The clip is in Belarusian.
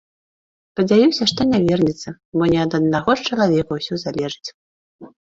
Спадзяюся, што не вернецца, бо не ад аднаго ж чалавека ўсё залежыць!